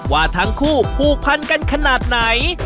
ว่าทั้งคู่ผูกพันกันขนาดไหน